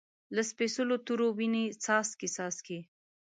د سپیڅلو تورو، وینې څاڅکي، څاڅکي